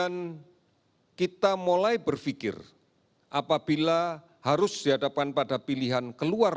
dan kita harus berpikir apabila harus dihadapan pada pilihan keluarga